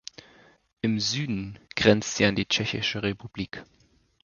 Im Süden grenzt sie an die Tschechische Republik.